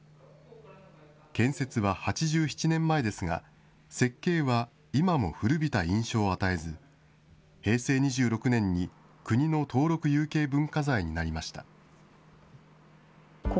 建設は８７年前ですが、設計は今も古びた印象を与えず、平成２６年に国の登録有形文化財になりました。